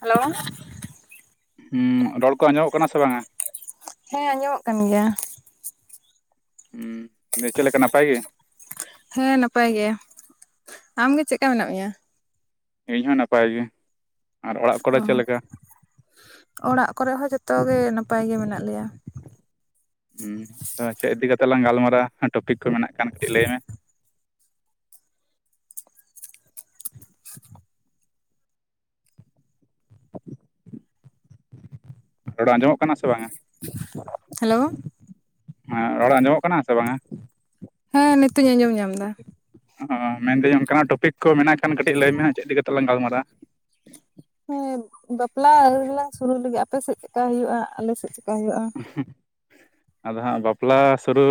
Hello, ᱦᱩᱸ ᱨᱚᱲ ᱠᱚ ᱟᱸᱡᱚᱢᱚᱜ ᱠᱟᱱᱟ ᱥᱮ ᱵᱟᱝᱟ? ᱦᱮᱸ ᱟᱸᱡᱚᱢᱚᱜ ᱠᱟᱱ ᱜᱮᱭᱟ᱾ ᱦᱩᱸ ᱫᱮ ᱪᱮᱫ ᱞᱮᱠᱟ ᱱᱟᱯᱟᱭ ᱜᱮ, ᱦᱮᱸ ᱱᱟᱯᱟᱭ ᱜᱮ ᱟᱢ ᱜᱮ ᱪᱮᱫᱠᱟ ᱢᱮᱱᱟᱜ ᱢᱮᱭᱟ? ᱤᱧ ᱦᱚᱸ ᱱᱟᱯᱟᱭ ᱜᱮ᱾ ᱟᱨ ᱚᱲᱟᱜ ᱠᱚᱨᱮ ᱪᱮᱫ ᱞᱮᱠᱟ? ᱚ ᱚᱲᱟᱜ ᱠᱚᱨᱮᱜ ᱦᱚᱸ ᱡᱷᱚᱛᱚ ᱜᱮ ᱱᱟᱯᱟᱭ ᱜᱮ ᱢᱮᱱᱟᱜ ᱞᱮᱭᱟ᱾ ᱦᱩᱸ ᱟᱫᱚ ᱪᱮᱫ ᱤᱫᱤ ᱠᱟᱛᱮᱜ ᱞᱟᱝ ᱜᱟᱞᱢᱟᱨᱟᱭᱟ ᱴᱚᱯᱤᱠ ᱠᱚ ᱢᱮᱱᱟᱜ ᱠᱷᱟᱱ ᱠᱟᱹᱴᱤᱜ ᱞᱟᱹᱭ ᱢᱮ᱾ ᱨᱚᱲ ᱟᱸᱡᱚᱢᱚᱜ ᱠᱟᱱᱟ ᱥᱮ ᱵᱟᱝᱟ? ᱦᱮᱞᱳ, ᱦᱮᱸ ᱨᱚᱲ ᱟᱸᱡᱚᱢᱚᱜ ᱠᱟᱱᱟ ᱥᱮ ᱵᱟᱝᱟ, ᱦᱮᱸ ᱱᱤᱛᱚᱜ ᱤᱧ ᱟᱸᱡᱚᱢ ᱧᱟᱢ ᱫᱟ᱾ ᱚᱸ ᱢᱮᱱᱫᱟᱹᱧ ᱚᱱᱠᱟᱱᱟᱜ ᱴᱚᱯᱤᱠ ᱠᱚ ᱢᱮᱱᱟᱜ ᱠᱷᱟᱱ ᱠᱟᱹᱴᱤᱜ ᱞᱟᱹᱭᱢᱮ ᱦᱟᱸᱜ ᱪᱮᱫ ᱤᱫᱤ ᱠᱟᱛᱮᱞᱟᱝ ᱜᱟᱞᱢᱟᱨᱟᱜ-ᱟ᱾ ᱦᱮᱸ ᱵᱟᱯᱞᱟ ᱨᱮᱱᱟᱜ ᱥᱩᱨᱩ ᱞᱮᱜᱮ ᱟᱯᱮᱥᱮᱜ ᱪᱮᱠᱟ ᱦᱩᱭᱩᱜ-ᱟ ᱟᱞᱮᱥᱮᱜ ᱪᱮᱠᱟ ᱦᱩᱭᱩᱜ-ᱟ᱾ ᱟᱫᱚ ᱦᱟᱸᱜ ᱵᱟᱯᱞᱟ ᱥᱩᱨᱩ,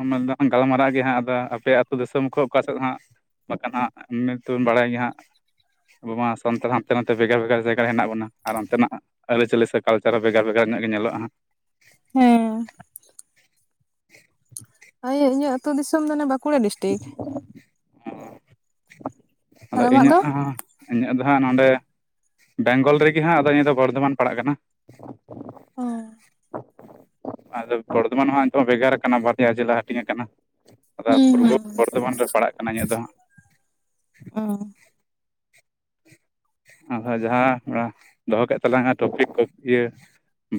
ᱚᱱᱟ ᱫᱚ ᱜᱟᱞᱢᱟᱨᱟᱜ ᱜᱮ ᱦᱟᱸᱜ ᱟᱫᱚ ᱟᱯᱮ ᱟᱹᱛᱩ ᱫᱤᱥᱚᱢ ᱠᱷᱚ ᱚᱠᱟ ᱥᱮᱜ ᱦᱟᱸᱜ? ᱵᱟᱠᱷᱟᱱ ᱦᱟᱸᱜ ᱮᱢᱱᱮᱛᱚᱧ ᱵᱟᱲᱟᱭ ᱜᱮ ᱦᱟᱸᱜ, ᱟᱵᱚ ᱢᱟ ᱥᱟᱱᱛᱟᱲ ᱦᱟᱱᱛᱮ ᱱᱟᱛᱮ ᱵᱷᱮᱜᱟᱨ ᱵᱷᱮᱜᱟᱨ ᱡᱟᱭᱜᱟ ᱨᱮ ᱦᱮᱱᱟᱜ ᱵᱚᱱᱟ ᱟᱨ ᱚᱱᱛᱮᱱᱟᱜ? ᱟᱹᱨᱤᱪᱟᱹᱞᱤ ᱥᱮ ᱠᱟᱞᱪᱟᱨ ᱦᱚᱸ ᱵᱷᱮᱜᱟᱨ ᱵᱷᱮᱜᱟᱨ ᱧᱚᱜ ᱜᱮ ᱧᱮᱞᱚᱜ-ᱟ ᱦᱟᱸᱜ᱾ ᱦᱮᱸ, [unintelligible] ᱦᱳᱭ ᱤᱧᱟᱹᱜ ᱟᱹᱛᱩ ᱫᱤᱥᱚᱢ ᱫᱚ ᱚᱱᱮ ᱵᱟᱸᱠᱩᱲᱟ ᱰᱤᱥᱴᱤᱠ᱾ ᱟᱨ ᱟᱫᱚ ᱟᱢᱟᱜ ᱤᱧᱟᱹᱜ ᱫᱚ ᱦᱚᱸ, ᱤᱧᱟᱹᱜ ᱫᱚ ᱦᱟᱸᱜ ᱱᱚᱸᱰᱮ ᱵᱮᱝᱜᱚᱞ ᱨᱮᱜᱮ ᱦᱟᱸᱜ ᱟᱫᱚ ᱤᱧᱟᱹᱜ ᱫᱚ ᱵᱚᱨᱫᱷᱚᱢᱟᱱ ᱯᱟᱲᱟᱜ ᱠᱟᱱᱟ᱾ ᱦᱚᱸ ᱟᱫᱚ ᱵᱚᱨᱫᱷᱚᱢᱟᱱ ᱦᱚᱸ ᱦᱟᱸᱜ ᱡᱮᱢᱚᱱ ᱵᱷᱮᱜᱟᱨ ᱟᱠᱟᱱᱟ ᱵᱟᱨᱭᱟ ᱡᱮᱞᱟ ᱦᱟᱹᱴᱤᱧ ᱟᱠᱟᱱᱟ ᱟᱫᱚ ᱦᱩᱸ ᱯᱩᱨᱵᱚ ᱵᱚᱨᱫᱷᱚᱢᱟᱱ ᱨᱮ, ᱯᱟᱲᱟᱜ ᱠᱟᱱᱟ ᱤᱧᱟᱹᱜ ᱫᱚ ᱦᱟᱸᱜ ᱚ ᱟᱫᱚ ᱡᱟᱦᱟᱸ ᱚᱱᱟ ᱫᱚᱦᱚ ᱠᱮᱫ ᱛᱟᱞᱟᱝᱟ ᱴᱚᱯᱤᱠ ᱠᱚ ᱤᱭᱟᱹ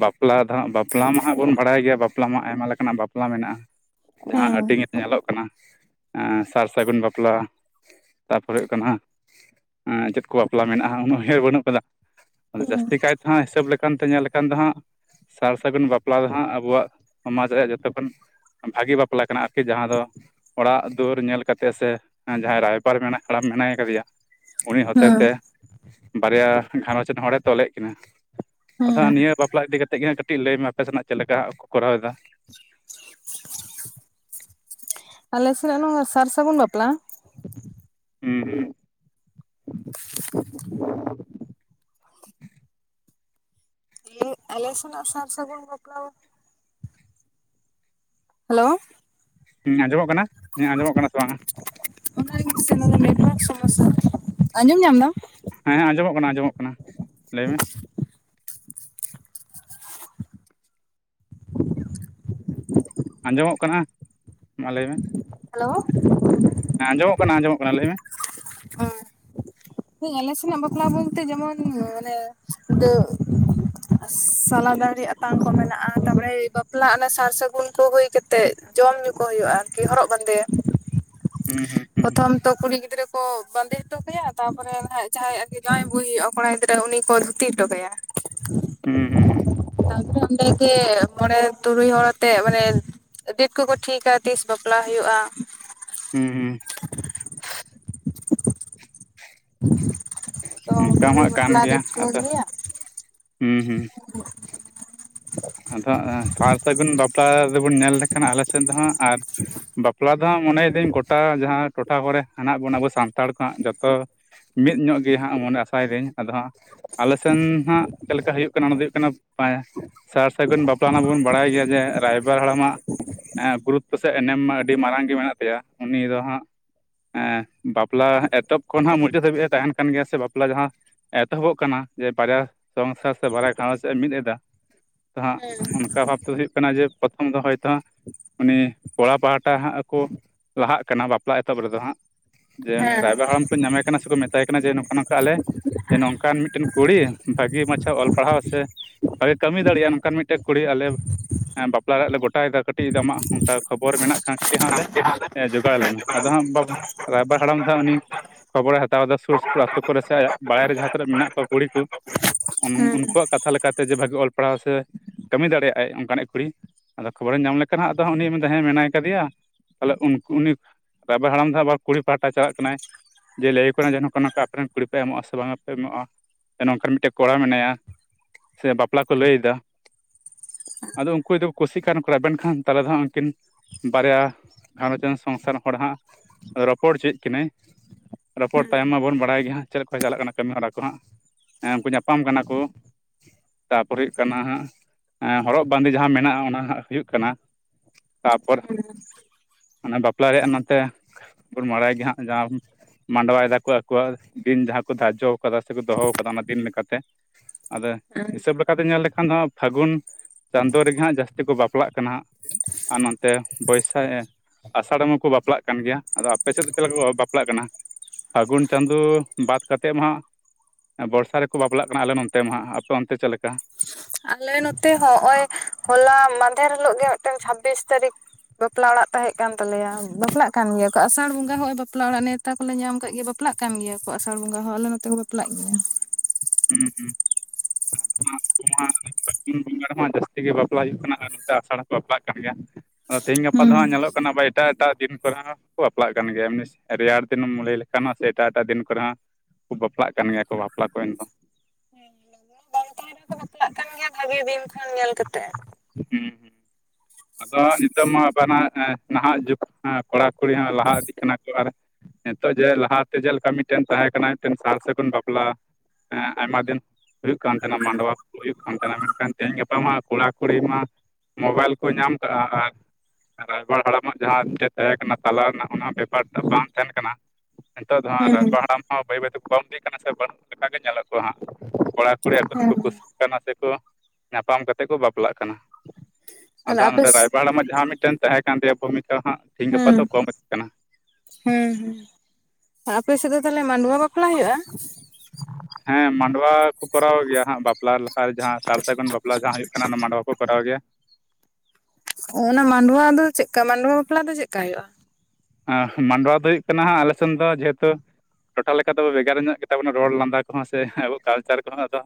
ᱵᱟᱯᱞᱟ ᱟᱫᱚ ᱦᱟᱜ ᱵᱟᱯᱞᱟ ᱢᱟ ᱦᱟᱸᱜ ᱵᱚᱱ ᱵᱟᱲᱟᱭ ᱜᱮᱭᱟ ᱵᱟᱯᱞᱟ ᱢᱟ ᱟᱭᱢᱟ ᱞᱮᱠᱟᱱᱟᱜ ᱵᱟᱯᱞᱟ ᱢᱮᱱᱟᱜᱼᱟ᱾ ᱡᱟᱦᱟᱸ ᱦᱮᱸ ᱦᱟᱹᱴᱤᱧ ᱨᱮ ᱧᱮᱞᱚᱜ ᱠᱟᱱᱟ᱾ ᱥᱟᱨ ᱥᱟᱹᱜᱩᱱ ᱵᱟᱯᱞᱟ ᱛᱟᱯᱚᱨᱮ ᱦᱩᱭᱩᱜ ᱠᱟᱱᱟ ᱪᱮᱫ ᱠᱚ ᱵᱟᱯᱞᱟ ᱢᱮᱱᱟᱜ-ᱟ᱾ ᱩᱱᱟᱹᱜ ᱩᱭᱦᱟᱹᱨ ᱵᱟᱹᱱᱩᱜ ᱠᱟᱫᱟ ᱟᱫᱚ ᱦᱮᱸ ᱡᱟᱹᱥᱛᱤ ᱠᱟᱭᱛᱮᱦᱟᱸᱜᱟᱜ ᱦᱤᱥᱟᱹᱵ ᱞᱮᱠᱟᱱ ᱛᱚ ᱧᱮᱞ ᱞᱮᱠᱷᱟᱱ ᱫᱚ ᱦᱟᱸᱜ ᱥᱟᱨ ᱥᱟᱹᱜᱩᱱ ᱵᱟᱯᱞᱟ ᱫᱚ ᱦᱟᱸᱜ ᱟᱵᱚᱣᱟᱜ ᱥᱚᱢᱟᱡᱽ ᱨᱮᱭᱟᱜ ᱡᱷᱚᱛᱚ ᱠᱷᱚᱱ ᱵᱷᱟᱹᱜᱤ ᱵᱟᱯᱞᱟ ᱠᱟᱱᱟ ᱟᱨᱠᱤ ᱡᱟᱦᱟᱸ ᱫᱚ ᱚᱲᱟᱜ ᱫᱩᱣᱟᱹᱨ ᱧᱮᱞ ᱠᱟᱛᱮ ᱥᱮ ᱡᱟᱦᱟᱸᱭ ᱨᱟᱭᱵᱟᱨ ᱢᱮᱱᱟᱭ ᱦᱟᱲᱟᱢ ᱢᱮᱱᱟᱭ ᱠᱟᱫᱮᱭᱟ᱾ ᱩᱱᱤ ᱦᱚᱛᱮ ᱛᱮ ᱵᱟᱨᱭᱟ ᱜᱷᱟᱨᱚᱸᱡᱽ ᱨᱮᱱ ᱦᱚᱲ ᱮ ᱛᱚᱞᱮᱫ ᱠᱤᱱᱟᱹ᱾ ᱟᱫᱚ ᱦᱮᱸ ᱦᱟᱸᱜ ᱱᱤᱭᱟᱹ ᱵᱟᱯᱞᱟ ᱤᱫᱤ ᱠᱟᱛᱮᱫ ᱜᱮ ᱦᱟᱸᱜ ᱠᱟᱹᱴᱤᱡ ᱞᱟᱹᱭ ᱢᱮ ᱟᱯᱮ ᱥᱮᱱᱟᱜ ᱪᱮᱫ ᱞᱮᱠᱟ ᱠᱚᱨᱟᱣ ᱮᱫᱟ᱾ [inaudible] ᱟᱞᱮ ᱥᱮᱱᱟᱜ ᱱᱚᱣᱟ ᱥᱟᱨ ᱥᱟᱹᱜᱩᱱ ᱵᱟᱯᱞᱟ ᱦᱮᱸ [inaudible] [inaudible] ᱟᱞᱮ ᱥᱮᱱᱟᱜ ᱥᱟᱨ ᱥᱟᱹᱜᱩᱱ ᱵᱟᱯᱞᱟ ᱫᱚ ᱦᱮᱞᱳ ᱦᱮᱸ ᱟᱸᱡᱚᱢᱚᱜ ᱠᱟᱱᱟ ᱤᱧᱟᱜ ᱟᱸᱡᱚᱢᱚᱜ ᱠᱟᱱᱟ ᱥᱮ ᱵᱟᱝᱼᱟ? ᱚᱱᱟ ᱜᱮᱥᱮ ᱱᱚᱰᱮ ᱱᱮᱴᱣᱟᱨᱠ ᱥᱚᱢᱚᱥᱥᱟ ᱟᱸᱡᱚᱢ ᱧᱟᱢ ᱫᱟᱢ? ᱦᱮᱸ ᱦᱮᱸ ᱟᱸᱡᱚᱢᱚᱜ ᱠᱟᱱᱟ ᱟᱸᱡᱚᱢᱚᱜ ᱠᱟᱱᱟ ᱞᱟᱹᱭ ᱢᱮ ᱾ [inaudible] ᱟᱸᱡᱚᱢᱚᱜ ᱠᱟᱱᱟ ᱢᱟ ᱞᱟᱹᱭ ᱢᱮ ᱾ ᱦᱮᱞᱳ ᱦᱮᱸ ᱟᱸᱡᱚᱢᱚᱜ ᱠᱟᱱᱟ ᱟᱸᱢᱚᱢᱚᱜ ᱠᱟᱱᱟ ᱞᱟᱹᱭ ᱢᱮ᱾ ᱦᱩᱸ ᱟᱞᱮ ᱥᱮᱱᱟᱜ ᱵᱟᱯᱞᱟ ᱵᱚᱞᱛᱮ ᱡᱮᱢᱚᱱ ᱢᱟᱱᱮ ᱫᱟᱹ ᱥᱟᱞᱟ ᱫᱟᱲᱦᱤ ᱟᱛᱟᱝ ᱠᱚ ᱢᱮᱱᱟᱜᱼᱟ᱾ ᱛᱟᱯᱚᱨᱮ ᱵᱟᱯᱞᱟ ᱚᱱᱟ ᱥᱟᱨ ᱥᱟᱹᱜᱩᱱ ᱠᱚ ᱦᱳᱭ ᱠᱟᱛᱮ᱾ ᱛᱮ ᱡᱚᱢ ᱧᱩ ᱠᱚ ᱦᱳᱭᱳᱜᱼᱟ ᱟᱨᱠᱤ ᱦᱚᱨᱚᱜ ᱵᱟᱸᱫᱮ ᱦᱩᱸ ᱦᱩᱸ ᱯᱨᱚᱛᱷᱚᱢ ᱛᱚ ᱠᱩᱲᱤ ᱜᱤᱫᱽᱨᱟᱹ ᱠᱚ ᱠᱚ ᱵᱟᱸᱫᱮ ᱦᱚᱴᱚ ᱠᱟᱭᱟ ᱛᱟᱯᱚᱨᱮ ᱱᱟᱦᱟᱸᱜ ᱡᱟᱦᱟᱸᱭ ᱟᱨᱠᱤ ᱡᱟᱶᱟᱭ ᱟᱹᱜᱩᱭ ᱦᱩᱭᱩᱜᱼᱟ ᱠᱚᱲᱟ ᱜᱤᱫᱽᱨᱟᱹ ᱩᱱᱤ ᱠᱚ ᱫᱷᱩᱛᱤ ᱦᱚᱴᱚ ᱠᱟᱭᱟ [inaudible] ᱦᱩᱸ ᱦᱩᱸ ᱦᱩᱸ ᱛᱟᱨᱯᱚᱨ ᱚᱸᱰᱮ ᱜᱮ ᱢᱚᱬᱮ ᱛᱩᱨᱩᱭ ᱦᱚᱲ ᱟᱛᱮᱜ ᱢᱟᱱᱮ ᱰᱮᱴ ᱠᱚᱠᱚ ᱴᱷᱤᱠᱟ ᱛᱤᱥ ᱵᱟᱯᱞᱟ ᱦᱩᱭᱩᱜᱼᱟ ᱦᱩᱸ ᱦᱩᱸ ᱛᱚ ᱚᱱᱠᱟ ᱜᱮ ᱦᱚᱸ ᱠᱟᱱ ᱵᱟᱯᱞᱟ ᱰᱮᱴ ᱜᱮᱭᱟ ᱠᱚ ᱟᱫᱚ ᱫᱚᱦᱚᱭᱟ ᱦᱩᱸ ᱦᱩᱸ [inaudible] ᱟᱫᱚ ᱥᱟᱨ ᱥᱟᱹᱜᱩᱱ ᱵᱟᱯᱞᱟ ᱨᱮᱵᱚᱱ ᱧᱮᱞ ᱞᱮᱠᱷᱟᱱ ᱟᱞᱮ ᱥᱮᱫ ᱫᱚ ᱦᱟᱸᱜ ᱟᱨ ᱵᱟᱯᱞᱟ ᱵᱟᱯᱞᱟ ᱫᱚ ᱦᱟᱸᱜ ᱢᱚᱱᱮᱭ ᱫᱤᱧ ᱜᱚᱴᱟ ᱡᱟᱦᱟᱸ ᱴᱚᱴᱷᱟ ᱠᱚᱨᱮ ᱦᱮᱱᱟᱜ ᱵᱚᱱᱟ ᱟᱵᱚ ᱥᱟᱱᱛᱟᱲ ᱠᱚ ᱦᱟᱸᱜ ᱡᱷᱚᱛᱚ ᱢᱤᱫ ᱧᱚᱜ ᱜᱮ ᱦᱟᱸᱜ ᱢᱚᱱᱮ ᱟᱥᱟᱭ ᱫᱤᱧ ᱟᱫᱚ ᱦᱟᱸᱜ ᱟᱞᱮ ᱥᱮᱱ ᱦᱟᱸᱜ ᱪᱮᱫ ᱞᱮᱠᱟ ᱦᱩᱭᱩᱜ ᱠᱟᱱᱟ ᱚᱱᱟ ᱫᱚ ᱦᱩᱭᱩᱜ ᱠᱟᱱᱟ ᱯᱟᱭᱟ ᱥᱟᱨ ᱥᱟᱹᱜᱩᱱ ᱵᱟᱯᱞᱟ ᱨᱮᱱᱟᱜ ᱵᱚᱱ ᱵᱟᱲᱟᱭ ᱜᱮᱭᱟ ᱡᱮ ᱨᱟᱭᱵᱟᱨ ᱦᱟᱲᱟᱢᱟᱜ ᱮᱸ ᱜᱩᱨᱩᱛᱛᱚ ᱥᱮ ᱮᱱᱮᱢ ᱢᱟ ᱟᱹᱰᱤ ᱢᱟᱨᱟᱝ ᱜᱮ ᱢᱮᱱᱟᱜ ᱛᱟᱭᱟ ᱩᱱᱤ ᱫᱚ ᱦᱟᱸᱜ ᱮᱸ ᱵᱟᱯᱞᱟ ᱮᱛᱚᱦᱚᱵ ᱠᱷᱚᱱ ᱦᱟᱸᱜ ᱢᱩᱪᱟᱹᱫ ᱫᱷᱟᱹᱵᱤᱡ ᱮ ᱛᱟᱦᱮᱱ ᱠᱟᱱ ᱜᱮᱭᱟ ᱥᱮ ᱵᱟᱯᱞᱟ ᱡᱟᱦᱟᱸ ᱮᱛᱚᱦᱚᱵᱚᱜ ᱠᱟᱱᱟ ᱡᱮ ᱵᱟᱨᱭᱟ ᱥᱚᱝᱥᱟᱨ ᱥᱮ ᱵᱟᱨᱟᱭ ᱜᱷᱟᱨᱚᱸᱡᱽ ᱮ ᱢᱤᱫ ᱮᱫᱟ ᱛᱚ ᱦᱟᱸᱜ ᱦᱮᱸ ᱚᱱᱠᱟ ᱵᱷᱟᱵᱛᱮ ᱦᱩᱭᱩᱜ ᱠᱟᱱᱟ ᱡᱮ ᱯᱨᱚᱛᱷᱚᱢ ᱫᱚ ᱦᱚᱭᱛᱚ ᱦᱟᱸᱜ ᱩᱱᱤ ᱠᱚᱲᱟ ᱯᱟᱦᱟᱴᱟ ᱦᱟᱸᱜ ᱟᱠᱚ ᱞᱟᱦᱟᱜ ᱠᱟᱱᱟ ᱵᱟᱯᱞᱟ ᱮᱛᱚᱦᱚᱵ ᱨᱮᱫᱚ ᱦᱟᱸᱜ ᱾ ᱡᱮ ᱩᱱᱤ ᱦᱮᱸ ᱨᱟᱭᱵᱟᱲ ᱦᱟᱲᱟᱢ ᱠᱚ ᱧᱟᱢᱮ ᱠᱟᱱᱟ ᱥᱮᱠᱚ ᱢᱮᱛᱟᱭ ᱠᱟᱱᱟ ᱡᱮ ᱱᱚᱝᱠᱟ ᱱᱚᱝᱠᱟ ᱟᱞᱮ ᱱᱚᱝᱠᱟᱱ ᱢᱤᱫᱴᱮᱱ ᱠᱩᱲᱤ ᱵᱷᱟᱜᱤ ᱢᱟᱪᱷᱟ ᱚᱞ ᱯᱟᱲᱦᱟᱣ ᱥᱮ ᱵᱷᱟᱜᱮ ᱠᱟᱹᱢᱤ ᱫᱟᱲᱮᱭᱟᱜᱼᱟ ᱱᱚᱝᱠᱟᱱ ᱢᱤᱫᱴᱮᱱ ᱠᱩᱲᱤ ᱟᱞᱮ ᱮᱸ ᱵᱟᱯᱞᱟ ᱨᱮᱭᱟᱜ ᱞᱮ ᱜᱚᱴᱟᱭᱮᱫᱟ ᱠᱟᱹᱴᱤᱡ ᱟᱢᱟᱜ ᱚᱱᱠᱟ ᱠᱷᱚᱵᱚᱨ ᱢᱮᱱᱟᱜ ᱠᱷᱟᱱ ᱾ ᱠᱮ ᱦᱟᱸᱜ ᱞᱮ ᱮ ᱡᱚᱜᱟᱲ ᱟᱞᱮ ᱢᱮ ᱟᱫᱚ ᱦᱟᱸᱜ ᱵᱟᱯ ᱨᱟᱭᱵᱟᱨ ᱦᱟᱲᱟᱢ ᱫᱚ ᱦᱟᱸᱜ ᱩᱱᱤ ᱠᱷᱚᱵᱚᱨ ᱮ ᱦᱟᱛᱟᱣ ᱮᱫᱟ ᱥᱩᱲ ᱥᱩᱯᱩᱲ ᱟᱛᱳ ᱠᱚᱨᱮ ᱥᱮ ᱟᱭᱟᱜ ᱵᱟᱲᱟᱭ ᱨᱮ ᱡᱟᱦᱟᱸ ᱛᱤᱱᱹᱟᱜ ᱢᱮᱱᱟᱜ ᱠᱚᱣᱟ ᱠᱩᱲᱤ ᱠᱚ ᱾ ᱦᱩᱸ ᱩᱱ-ᱩᱱᱠᱩᱣᱟᱜ ᱠᱟᱛᱷᱟ ᱞᱮᱠᱟᱛᱮ ᱡᱮ ᱵᱷᱟᱜᱤ ᱚᱞ ᱯᱟᱲᱦᱟᱣ ᱥᱮ ᱠᱟᱹᱢᱤ ᱫᱟᱲᱮᱭᱟᱜ ᱟᱭ ᱚᱱᱠᱟᱱᱤᱡ ᱠᱩᱲᱤ ᱟᱫᱚ ᱠᱷᱚᱵᱚᱨᱮ ᱧᱟᱢ ᱞᱮᱠᱷᱟᱱ ᱦᱟᱸᱜ ᱟᱫᱚ ᱩᱱᱤ ᱢᱮᱱᱫᱟ ᱦᱮᱸ ᱢᱮᱱᱟᱭ ᱠᱟᱫᱮᱭᱟ ᱾ ᱛᱟᱦᱚᱞᱮ ᱩᱱ-ᱩᱱᱤ ᱨᱟᱭᱵᱟᱲ ᱦᱟᱲᱟᱢ ᱫᱚ ᱟᱵᱟᱨ ᱠᱩᱲᱤ ᱯᱟᱦᱴᱟ ᱪᱟᱞᱟᱜ ᱠᱟᱱᱟᱭ ᱾ ᱡᱮ ᱞᱟᱹᱭᱟ ᱠᱟᱱᱟ ᱡᱮ ᱱᱚᱠᱟ ᱱᱚᱝᱠᱟ ᱟᱯᱮ ᱨᱮᱱ ᱠᱩᱲᱤ ᱯᱮ ᱮᱢᱚᱜᱼᱟ ᱥᱮ ᱵᱟᱝ ᱯᱮ ᱮᱢᱚᱜᱼᱟ ᱡᱮ ᱱᱚᱝᱠᱟᱱ ᱢᱮᱫᱴᱮᱱ ᱠᱚᱲᱟ ᱢᱮᱱᱟᱭᱟ, ᱥᱮ ᱵᱟᱯᱞᱟ ᱠᱚ ᱞᱟᱹᱭ ᱮᱫᱟ ᱾ ᱟᱫᱚ ᱩᱝᱠᱩ ᱡᱩᱫᱤ ᱠᱚ ᱠᱩᱥᱤᱜ ᱠᱷᱟᱱ ᱥᱮ ᱨᱮᱵᱮᱱ ᱠᱷᱟᱱ ᱛᱟᱦᱚᱞᱮ ᱫᱚ ᱦᱟᱸᱜ ᱩᱱᱠᱤᱱ ᱵᱟᱨᱭᱟ ᱜᱷᱟᱨᱚᱸᱡᱽ ᱨᱮᱱ ᱥᱚᱝᱥᱟᱨ ᱦᱚᱲ ᱦᱟᱸᱜ ᱨᱚᱯᱚᱲ ᱦᱚᱪᱚᱭᱮᱫ ᱠᱤᱱᱟᱹᱭ ᱾ ᱨᱚᱯᱚᱲ ᱛᱟᱭᱚᱢ ᱢᱟᱵᱚᱱ ᱵᱟᱲᱟᱭ ᱜᱮᱭᱟ ᱦᱟᱸᱜ ᱪᱮᱫ ᱞᱮᱠᱟ ᱪᱟᱞᱟᱜ ᱠᱟᱱᱟ ᱠᱟᱹᱢᱤ ᱦᱚᱨᱟ ᱠᱚ ᱦᱟᱸᱜ ᱾ ᱦᱮᱸ, ᱩᱱᱠᱩ ᱧᱟᱯᱟᱢ ᱠᱟᱱᱟ ᱠᱚ ᱾ ᱛᱟᱯᱚᱨᱮ ᱦᱩᱭᱩᱜ ᱠᱟᱱᱟ ᱦᱟᱸᱜ ᱮ ᱦᱚᱨᱚᱜ ᱵᱟᱸᱫᱮ ᱡᱟᱦᱟᱸ ᱢᱮᱱᱟᱜᱼᱟ ᱚᱱᱟ ᱦᱟᱸ ᱦᱩᱭᱩᱜ ᱠᱟᱱᱟ ᱾ ᱛᱟᱯᱚᱨ ᱚᱱᱮ ᱵᱟᱯᱞᱟ ᱨᱮᱭᱟᱜ ᱱᱚᱛᱮ ᱵᱚᱱ ᱢᱟᱲᱟᱭ ᱜᱮ ᱦᱟᱸᱜ ᱡᱟᱦᱟᱸ ᱢᱟᱰᱣᱟᱭ ᱫᱟᱠᱚ ᱟᱠᱚᱣᱟᱜ ᱫᱤᱱ ᱡᱟᱦᱟᱸ ᱠᱚ ᱫᱟᱨᱡᱚ ᱠᱟᱫᱟ ᱥᱮ ᱫᱚᱦᱚ ᱠᱚᱫᱚ ᱚᱱᱟ ᱫᱤᱱ ᱞᱮᱠᱟᱛᱮ, ᱟᱫᱚ ᱦᱤᱥᱟᱹᱵᱽ ᱞᱮᱠᱟᱛᱮ ᱧᱮᱞ ᱞᱮᱠᱷᱟᱱ ᱫᱚ ᱦᱟᱸᱜ ᱯᱷᱟᱹᱜᱩᱱ ᱪᱟᱸᱫᱚ ᱨᱮᱜᱮ ᱦᱟᱸᱜ ᱡᱟᱹᱥᱛᱤ ᱠᱚ ᱵᱟᱯᱞᱟᱜ ᱠᱟᱱᱟ ᱦᱟᱸᱜ, ᱟᱨ ᱱᱚᱸᱛᱮ ᱵᱳᱭᱥᱟ ᱮ ᱟᱥᱟᱲ ᱨᱮ ᱢᱟ ᱠᱚ ᱵᱟᱯᱞᱟᱜ ᱠᱟᱱ ᱜᱮᱭᱟ ᱾ ᱟᱫᱚ ᱟᱯᱮ ᱥᱮᱫ ᱫᱚ ᱪᱮᱫ ᱞᱮᱠᱟ ᱠᱚ ᱵᱟᱯᱞᱟᱜ ᱠᱟᱱᱟ? ᱯᱷᱟᱹᱜᱩᱱ ᱪᱟᱸᱫᱳ ᱵᱟᱫᱽ ᱠᱟᱛᱮᱫ ᱢᱟ ᱦᱟᱸᱜ ᱵᱚᱨᱥᱟ ᱨᱮᱠᱚ ᱵᱟᱯᱞᱟᱜ ᱠᱟᱱᱟ ᱟᱞᱮ ᱱᱚᱱᱛᱮ ᱢᱟ ᱦᱟᱸᱜ ᱾ ᱟᱯᱮ ᱚᱱᱛᱮ ᱪᱮᱫ ᱞᱮᱠᱟ? ᱟᱞᱮ ᱱᱚᱛᱮ ᱦᱚᱸ ᱦᱚᱜᱼᱚᱭ ᱦᱚᱞᱟ ᱢᱟᱫᱷᱮᱨ ᱦᱤᱞᱳᱜ ᱜᱮ ᱢᱤᱫᱴᱟᱝ ᱪᱷᱟᱵᱵᱤᱥ ᱛᱟᱹᱨᱤᱠᱷ ᱵᱟᱯᱞᱟ ᱚᱲᱟᱜ ᱛᱟᱦᱮᱸᱜ ᱠᱟᱱ ᱛᱟᱞᱮᱭᱟ ᱾ ᱵᱟᱯᱞᱟᱜ ᱠᱟᱱ ᱜᱮᱭᱟ ᱠᱚ ᱟᱥᱟᱲ ᱵᱚᱸᱜᱟ ᱦᱚᱸᱜᱼᱚᱭ ᱵᱟᱯᱞᱟ ᱚᱲᱟᱜ ᱱᱮ ᱛᱟ ᱠᱚᱞᱮ ᱧᱟᱢ ᱠᱟᱜ ᱜᱮᱭᱟ, ᱵᱟᱯᱞᱟᱜ ᱠᱟᱱ ᱜᱮᱭᱟ ᱠᱚ ᱟᱥᱟᱲ ᱵᱚᱸᱜᱟ ᱦᱚᱸ ᱟᱞᱮ ᱱᱚᱛᱮ ᱠᱚ ᱵᱟᱯᱞᱟᱜ ᱜᱮᱭᱟ ᱾ ᱦᱩᱸ, ᱦᱩᱸ ᱾ ᱩᱱ ᱢᱟ ᱦᱟᱸᱜ [unintelligible] ᱵᱚᱸᱜᱟ ᱨᱮᱢᱟ ᱡᱟᱹᱥᱛᱤ ᱜᱮ ᱵᱟᱯᱞᱟ ᱦᱩᱭᱩᱜ ᱠᱟᱱᱟ ᱟᱨ ᱱᱚᱛᱮ ᱟᱥᱟᱲ ᱦᱚᱸᱠᱚ ᱵᱟᱯᱞᱟᱜ ᱠᱟᱱ ᱜᱮᱭᱟ ᱾ ᱟᱫᱚ ᱛᱮᱦᱮᱧ ᱜᱟᱯᱟ ᱫᱚ ᱦᱩᱸ ᱦᱟᱸᱜ ᱧᱮᱞᱚᱜ ᱠᱟᱱᱟ ᱵᱟᱭ ᱴᱟᱜ ᱮᱴᱟᱜ ᱫᱤᱱ ᱠᱚᱨᱮ ᱦᱚᱸ ᱠᱚ ᱵᱟᱯᱞᱟᱜ ᱠᱟᱱ ᱜᱮᱭᱟ, ᱮᱢᱱᱤ ᱨᱮᱭᱟᱲ ᱫᱤᱱ ᱮᱢ ᱞᱟᱹᱭ ᱞᱮᱠᱷᱟᱱ ᱥᱮ ᱮᱴᱟᱜ ᱮᱴᱟᱜ ᱫᱤᱱ ᱠᱚᱨᱮ ᱦᱚᱸ ᱠᱚ ᱵᱟᱯᱞᱟᱜ ᱠᱟᱱ ᱜᱮᱭᱟ ᱠᱚ ᱵᱟᱯᱞᱟ ᱠᱚᱨᱮᱱ ᱫᱚ ᱾ ᱢᱟ ᱵᱟᱝ ᱛᱟᱦᱮᱱ ᱨᱮᱠᱚ ᱵᱟᱛᱞᱟᱜ ᱠᱟᱱ ᱜᱮᱭᱟ ᱾ ᱵᱷᱟᱜᱮ ᱫᱤᱱ ᱠᱷᱚᱱ ᱧᱮᱞ ᱠᱟᱛᱮᱫ ᱾ ᱦᱩᱸ, ᱦᱩᱸ ᱾ ᱟᱫᱚ ᱱᱤᱛᱚᱜ ᱢᱟ ᱵᱟᱱᱟ ᱮ ᱱᱟᱦᱟᱜ ᱡᱩᱜᱽ ᱮᱸ ᱠᱚᱲᱟ ᱠᱩᱲᱤ ᱦᱚᱸ ᱞᱟᱦᱟ ᱤᱫᱤᱜ ᱠᱟᱱᱟ ᱠᱚ ᱟᱨ ᱱᱤᱛᱚᱜ ᱡᱮ ᱞᱟᱦᱟᱛᱮ ᱡᱮᱞᱮᱠᱟ ᱢᱤᱫᱴᱮᱱ ᱛᱟᱦᱮᱸ ᱠᱟᱱᱟ ᱢᱤᱫᱴᱮᱱ ᱥᱟᱨ ᱥᱟᱹᱜᱩᱱ ᱵᱟᱯᱞᱟ ᱾ ᱦᱮᱸ ᱟᱭᱢᱟ ᱫᱤᱱ ᱦᱩᱭᱩᱜ ᱠᱟᱱ ᱛᱟᱦᱮᱱᱟ ᱢᱟᱰᱣᱟ ᱠᱩ ᱦᱩᱭᱩᱜ ᱠᱟᱱ ᱛᱟᱦᱮᱱᱟ, ᱢᱮᱱᱠᱷᱟᱱ ᱛᱮᱦᱮᱧ ᱜᱟᱯᱟ ᱢᱟ ᱠᱚᱲᱟ ᱠᱩᱲᱤ ᱢᱟ ᱢᱳᱵᱟᱭᱤᱞ ᱠᱚ ᱧᱟᱢ ᱟᱠᱟᱜᱼᱟ ᱟᱨ ᱨᱟᱭᱵᱟᱨ ᱦᱟᱲᱟᱢᱟᱜ ᱡᱟᱦᱟᱸᱴᱮᱡ ᱛᱟᱦᱮᱸ ᱠᱟᱱᱟ ᱛᱟᱞᱟ ᱨᱮᱱᱟᱜ ᱚᱱᱟ ᱵᱮᱯᱟᱨ ᱴᱟᱜ ᱵᱟᱝ ᱛᱟᱦᱮᱱ ᱠᱟᱱᱟ ᱾ ᱱᱤᱛᱚᱜ ᱫᱚ ᱦᱟᱸᱜ ᱦᱩᱸ ᱨᱟᱭᱵᱟ ᱦᱟᱲᱟᱢ ᱦᱚᱸ ᱵᱟᱹᱭ ᱵᱟᱹᱭ ᱛᱮᱠᱚ ᱵᱟᱢ ᱤᱫᱤᱜ ᱠᱟᱱᱟ ᱥᱮ ᱵᱟᱹᱱᱩᱜ ᱞᱮᱠᱟᱜ ᱜᱮ ᱧᱮᱞᱚᱜ ᱠᱚᱣᱟ ᱦᱟᱸᱜ ᱾ ᱠᱚᱲᱟ ᱠᱩᱲᱤ ᱟᱠᱚ ᱛᱮᱠᱚ ᱠᱩᱥᱤᱜ ᱠᱟᱱᱟ ᱥᱮᱠᱚ ᱧᱟᱯᱟᱢ ᱠᱟᱛᱮ ᱠᱚ ᱵᱟᱯᱞᱟᱜ ᱠᱟᱱᱟ ᱾ ᱦᱮᱸ ᱟᱨ ᱟᱫᱚᱷᱟ ᱟᱯᱮ ᱱᱚᱸᱰᱮ ᱨᱟᱭᱵᱟᱨ ᱦᱟᱲᱟᱜ ᱡᱟᱦᱟᱸ ᱢᱤᱫᱴᱮᱱ ᱛᱟᱦᱮᱸ ᱠᱟᱱ ᱛᱟᱭᱟ ᱵᱷᱩᱢᱤᱠᱟ ᱦᱟᱸᱜ ᱛᱷᱤᱧ ᱜᱟᱯᱟ ᱦᱮᱸ ᱫᱚ ᱠᱚᱢ ᱦᱤᱡᱩᱜ ᱠᱟᱱᱟ ᱾ ᱦᱮᱸ ᱟᱯᱮ ᱥᱮᱫ ᱫᱚ ᱛᱟᱦᱚᱞᱮ ᱢᱟᱰᱣᱟ ᱵᱟᱯᱞᱟ ᱦᱩᱭᱩᱜᱼᱟ? ᱦᱮᱸ ᱢᱟᱰᱣᱟ ᱠᱚ ᱠᱚᱨᱟᱣ ᱜᱮᱭᱟ ᱦᱟᱸᱜ ᱵᱟᱯᱞᱟ ᱞᱟᱦᱟ ᱨᱮ ᱡᱟᱦᱟᱸ ᱥᱟᱨ ᱥᱟᱹᱜᱩᱱ ᱵᱟᱯᱞᱟ ᱡᱟᱦᱟᱸ ᱦᱩᱭᱩᱜ ᱠᱟᱱᱟ ᱚᱱᱟ ᱢᱟᱰᱣᱟ ᱠᱚ ᱠᱚᱨᱟᱣ ᱜᱮᱭᱟ ᱾ ᱚᱱᱟ ᱢᱟᱰᱣᱟ ᱫᱚ ᱪᱮᱫᱠᱟ ᱢᱟᱰᱣᱟ ᱵᱟᱯᱞᱟ ᱫᱚ ᱪᱮᱫ ᱠᱟ ᱦᱩᱭᱩᱜᱼᱟ? ᱢᱟᱰᱣᱟ ᱫᱚ ᱦᱩᱭᱩᱜ ᱠᱟᱱᱟᱸ ᱟᱞᱮ ᱥᱮᱱ ᱫᱚ ᱡᱮᱦᱮᱛᱩ ᱴᱚᱴᱷᱟ ᱞᱮᱠᱟ ᱫᱚᱚ ᱵᱷᱮᱜᱟᱨ ᱧᱚᱜ ᱜᱮᱛᱟᱵᱚᱱᱟ ᱨᱚᱲ ᱞᱟᱸᱫᱟ ᱠᱚᱦᱚᱸ ᱥᱮ ᱟᱵᱚ ᱠᱟᱞᱪᱟᱨ ᱠᱚᱦᱚᱸ ᱟᱫᱚ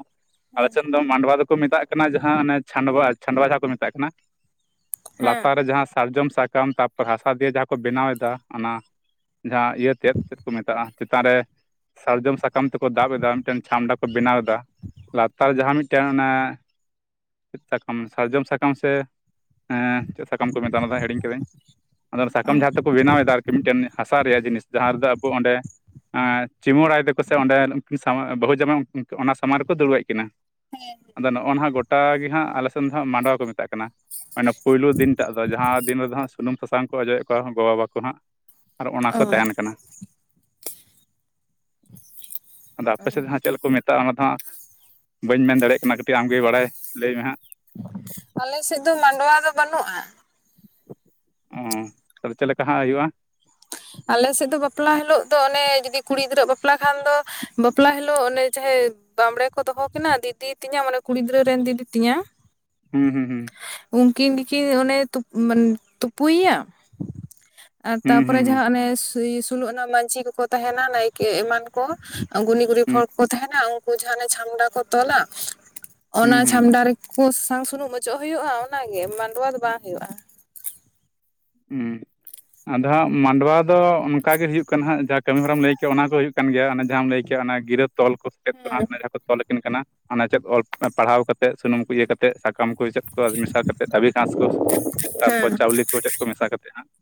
ᱟᱞᱮ ᱥᱮᱱ ᱫᱚ ᱢᱟᱰᱣᱟ ᱫᱚᱠᱚ ᱢᱮᱛᱟᱜ ᱠᱟᱱᱟ ᱡᱟᱦᱟᱸ ᱚᱱ ᱪᱷᱟᱰᱣᱟ ᱪᱷᱟᱰᱣᱟ ᱡᱟᱦᱟᱸ ᱠᱚ ᱢᱮᱛᱟᱜ ᱠᱟᱱᱟ ᱾ ᱦᱮᱸ ᱞᱟᱛᱟᱨ ᱨᱮ ᱡᱟᱦᱟᱸ ᱥᱟᱨᱡᱚᱢ ᱥᱟᱠᱟᱢ ᱛᱟᱨᱯᱚᱨ ᱦᱟᱥᱟ ᱫᱤᱭᱮ ᱡᱟᱦᱟᱸ ᱠᱚ ᱵᱮᱱᱟᱣ ᱮᱫᱟ ᱚᱱᱟ ᱾ ᱡᱟᱦᱟᱸ ᱤᱭᱟᱹ ᱛᱮᱫ ᱪᱮᱫ ᱠᱚ ᱢᱮᱛᱟᱜᱼᱟ ᱪᱮᱛᱟᱱ ᱨᱮ ᱥᱟᱨᱡᱚᱢ ᱥᱟᱠᱟᱢ ᱛᱮᱠᱚ ᱫᱟᱵ ᱮᱫᱟ ᱢᱤᱫᱴᱮᱱ ᱪᱷᱟᱢᱰᱟ ᱠᱚ ᱵᱮᱱᱟᱣ ᱮᱫᱟ ᱾ ᱞᱟᱛᱟᱨ ᱡᱟᱦᱟᱸ ᱢᱤᱫᱴᱮᱱ ᱚᱱᱮ ᱪᱮᱫ ᱥᱟᱠᱟᱢ ᱥᱟᱨᱡᱚᱢ ᱥᱟᱠᱟᱢ ᱥᱮ ᱪᱮᱫ ᱥᱟᱠᱟᱢ ᱠᱚ ᱢᱮᱛ ᱦᱤᱲᱧ ᱠᱟᱹᱫᱟᱹᱧ ᱾ ᱟᱫᱚ ᱥᱟᱠᱟᱢ ᱡᱟᱦᱟᱸ ᱛᱮᱠᱚ ᱵᱮᱱᱟᱣᱮᱫᱟ ᱟᱨᱠᱤ ᱢᱤᱫᱴᱮᱱ ᱦᱟᱥᱟ ᱨᱮᱭᱟᱜ ᱡᱤᱱᱤᱥ ᱡᱟᱦᱟᱸ ᱨᱮᱫᱚ ᱟᱵᱚ ᱚᱸᱰᱮ ᱪᱢᱩᱟᱹᱲᱟᱭ ᱛᱮᱠᱚ ᱥᱮ ᱚᱸᱰᱮ ᱩᱱᱠᱤᱱ ᱥᱟᱢ ᱵᱟᱹᱦᱩ ᱡᱟᱢᱟᱭ ᱚᱱᱟ ᱥᱟᱢᱟᱝ ᱨᱮᱠᱚ ᱫᱩᱲᱩᱵ ᱮᱫ ᱠᱤᱱᱟ ᱾ ᱦᱮᱸ ᱾ ᱟᱫᱚ ᱱᱚᱜᱼᱚ ᱱᱟᱜ ᱜᱚᱴᱟ ᱜᱮ ᱦᱟᱸᱜ ᱟᱞᱮᱥᱮᱱ ᱫᱚ ᱦᱜ ᱢᱟᱰᱣᱟ ᱠᱚ ᱢᱮᱛᱟᱜ ᱠᱟᱱᱟ ᱾ ᱚᱱᱮ ᱯᱩᱭᱞᱩ ᱫᱤᱱᱴᱟᱜ ᱫᱚ ᱡᱟᱦᱟᱸ ᱫᱤᱱ ᱨᱮᱫᱚ ᱦᱟᱜ ᱥᱩᱱᱩᱢ ᱥᱟᱥᱟᱝ ᱠᱚ ᱚᱡᱚᱭᱮᱫ ᱠᱚᱣᱟ ᱾ ᱜᱚᱜᱚ ᱵᱟ ᱠᱚ ᱦᱟᱸᱜ ᱟᱨ ᱚᱱᱟ ᱚ ᱠᱚ ᱛᱟᱦᱮᱱ ᱠᱟᱱᱟ ᱾ ᱟᱫᱚ ᱟᱯᱮ ᱚ ᱥᱮᱫ ᱦᱟᱸᱜ ᱪᱮᱫ ᱠᱚ ᱢᱮᱛᱟᱜᱼᱟ, ᱚᱱᱟ ᱫᱚ ᱦᱟᱸᱜ ᱵᱟᱹᱧ ᱢᱮᱱ ᱫᱟᱲᱮᱭᱟᱜ ᱠᱟᱱᱟ ᱠᱟᱹᱴᱤᱡ ᱟᱢᱜᱮ ᱵᱟᱲᱟᱭ ᱞᱟᱹᱭ ᱢᱮ ᱦᱟᱸᱜ? ᱟᱞᱮ ᱥᱮᱫᱚ ᱢᱟᱰᱣᱟ ᱫᱚ ᱵᱟᱹᱱᱩᱜᱼᱟ ᱾ ᱚ ᱪᱮᱫ ᱞᱮᱠᱟ ᱦᱟᱸᱜ ᱦᱩᱭᱩᱜᱼᱟ? ᱟᱞᱮᱥᱮᱫ ᱫᱚ ᱵᱟᱯᱞᱟ ᱦᱤᱞᱳᱜ ᱫᱚ ᱚᱱᱮ ᱡᱩᱫᱤ ᱠᱩᱲᱤ ᱜᱤᱫᱽᱨᱟᱹ ᱵᱟᱯᱞᱟ ᱠᱷᱟᱱ ᱫᱚ ᱵᱟᱯᱞᱟ ᱦᱤᱞᱳᱜ ᱚᱱᱮ ᱡᱟᱦᱮ ᱵᱟᱢᱵᱽᱲᱮ ᱠᱚ ᱫᱚᱦᱚ ᱠᱤᱱᱟ ᱫᱤᱫᱤ ᱛᱤᱧᱟᱹ ᱢᱟᱱᱮ ᱠᱩᱲᱤ ᱜᱤᱫᱽᱨᱟᱹ ᱨᱮᱱ ᱫᱤᱫᱤ ᱛᱤᱧᱟᱹ ᱾ ᱦᱩᱸ ᱦᱩᱸ ᱦᱩᱸ ᱾ ᱩᱱᱠᱤᱱ ᱜᱮᱠᱤᱱ ᱚᱱᱮ ᱛᱩᱯᱩᱭᱮᱭᱟ ᱟᱨ ᱦᱩᱸ ᱛᱟᱯᱚᱨᱮ ᱦᱩᱸ ᱢᱟᱱᱮ [unintelligible] ᱥᱚᱞᱳ ᱚᱱᱟ ᱢᱟᱺᱡᱷᱤ ᱠᱚᱠᱚ ᱛᱟᱦᱮᱱᱟ ᱱᱟᱭᱠᱮ ᱮᱢᱟᱱ ᱾ ᱜᱷᱩᱱᱤ ᱜᱩᱨᱤ ᱯᱷ ᱦᱩᱸ ᱠᱚᱠᱚ ᱛᱟᱦᱮᱱᱟ ᱩᱱᱠᱩ ᱡᱟᱦᱟᱸᱱᱟᱜ ᱪᱷᱟᱢᱰᱟ ᱠᱚ ᱛᱚᱞᱟ᱾ ᱦᱩᱸ ᱦᱩᱸ ᱚᱱᱟ ᱦᱩᱸ ᱪᱷᱟᱢᱰᱟ ᱨᱮᱠᱚ ᱥᱟᱥᱟᱝ ᱥᱩᱱᱩᱢ ᱚᱪᱚᱜ ᱦᱩᱭᱩᱜᱼᱟ ᱚᱱᱟᱜ ᱜᱮ ᱢᱟᱰᱣᱟ ᱫᱚ ᱵᱟᱝ ᱦᱩᱭᱩᱜᱼᱟ ᱾ ᱦᱮᱸ ᱟᱫᱚ ᱦᱟᱸᱜ ᱢᱟᱰᱣᱟ ᱫᱚ ᱚᱱᱠᱟ ᱜᱮ ᱦᱩᱭᱩᱜ ᱠᱟᱱᱟ ᱦᱟᱸᱜ ᱡᱟᱦᱟᱸ ᱠᱟᱹᱢᱤ ᱦᱚᱨᱟᱢ ᱞᱟᱹᱭ ᱠᱮᱫᱮ ᱚᱱᱟ ᱠᱚ ᱦᱩᱭᱩᱜ ᱠᱟᱱ ᱜᱮᱭᱟ ᱡᱟᱦᱟᱸᱟᱢ ᱞᱟᱹᱭ ᱠᱮᱜ ᱚᱱᱟ ᱜᱤᱨᱟᱹ ᱛᱚᱞ ᱠᱚ ᱾ ᱪᱮᱫ ᱠᱚ ᱦᱮᱸ ᱡᱟᱦᱟᱸ ᱠᱚ ᱛᱚᱞ ᱟᱹᱠᱤᱱ ᱠᱟᱱᱟ ᱚᱱᱟ ᱪᱮᱫ ᱚᱞ ᱯᱟᱲᱦᱟᱣ ᱠᱟᱛᱮᱫ ᱥᱩᱱᱩᱢ ᱠᱚ ᱤᱭᱟᱹ ᱠᱟᱛᱮ ᱾ ᱛᱮᱫ ᱥᱟᱠᱟᱢ ᱠᱚ ᱪᱮᱫ ᱠᱚ ᱢᱮᱥᱟ ᱠᱟᱛᱮᱫ ᱫᱷᱟᱹᱵᱤ ᱜᱷᱟᱸᱥ ᱠᱚ ᱛᱟᱨᱯᱚᱨ ᱦᱮᱸ ᱪᱟᱣᱞᱮ ᱠᱚ ᱪᱮᱫ ᱠᱚ ᱢᱮᱥᱟ ᱠᱟᱛᱮᱫ ᱦᱟᱸᱜ ᱾